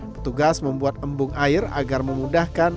petugas membuat embung air agar memudahkan